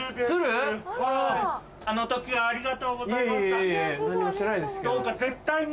鶴⁉あの時はありがとうございました。